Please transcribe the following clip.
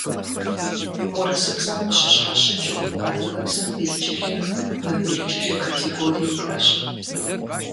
Урысыбзэм къыщхьэщыкӏыу адыгэбзэм белджылы, мыбелджылы категорие иӏэщ.